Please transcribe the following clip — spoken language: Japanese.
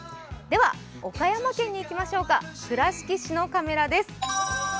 では、岡山県に行きましょうか、倉敷市のカメラです。